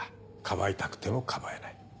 かばいたくてもかばえない。